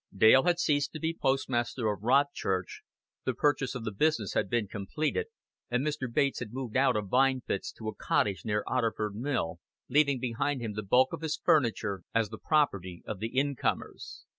Dale had ceased to be postmaster of Rodchurch; the purchase of the business had been completed; and Mr. Bates had moved out of Vine Pits to a cottage near Otterford Mill, leaving behind him the bulk of his furniture as the property of the incomers.